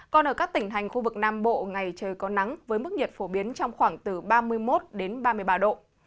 còn ở các tỉnh hành khu vực nam bộ ngày trời có nắng với mức nhiệt phổ biến trong khoảng từ ba mươi một đến ba mươi ba độ